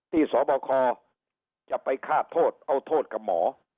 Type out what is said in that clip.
สบคจะไปฆ่าโทษเอาโทษกับหมอ